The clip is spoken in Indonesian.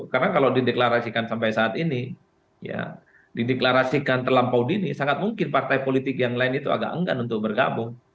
karena kalau dideklarasikan sampai saat ini dideklarasikan terlampau dini sangat mungkin partai politik yang lain itu agak enggan untuk bergabung